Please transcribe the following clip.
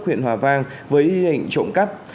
huyện hòa vang với ý định trộm cắp